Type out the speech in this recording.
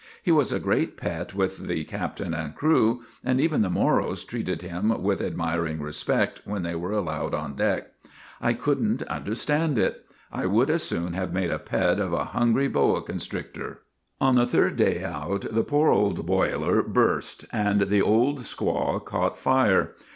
He was a great pet with the captain and crew, and even the Moros treated him with admiring respect when they were allowed on deck. I could n't understand it. I would as soon have made a pet of a hungry boa constrictor. " On the third day out the poor old boiler burst and the Old Squaw caught fire.